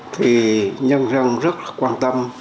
thì nhân dân rất quan tâm